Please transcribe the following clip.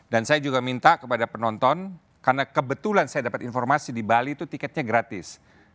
dan saya juga minta kepada penonton karena kebetulan saya dapat informasi di bali itu tiketnya gratis